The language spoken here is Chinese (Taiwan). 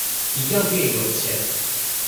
一樣變有錢